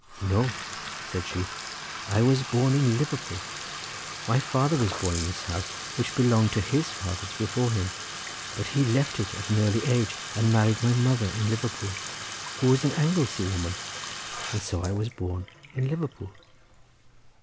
"No!" said she; "I was born in Liverpool; my father was born in this house, which belonged to his fathers before him, but he left it at an early age and married my mother in Liverpool, who was an Anglesey woman, and so I was born in Liverpool."